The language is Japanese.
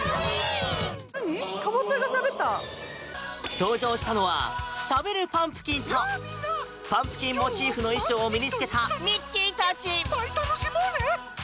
登場したのはしゃべるパンプキンとパンプキンモチーフの衣装を身に着けたミッキーたち。